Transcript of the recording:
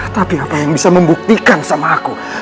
tapi apa yang bisa membuktikan sama aku